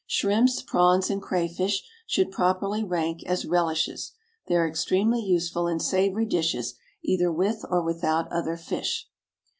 Shrimps, prawns, and crayfish, should properly rank as "relishes"; they are extremely useful in savoury dishes, either with or without other fish.